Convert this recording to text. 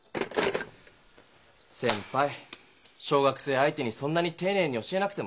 先ぱい小学生相手にそんなにていねいに教えなくても。